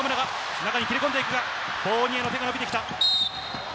中に切り込んでいくが、フォーニエの手が伸びてきた。